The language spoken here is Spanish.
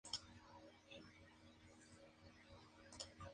El testarudo y orgulloso caballero Erasmo en esta lucha apoyó el rey húngaro.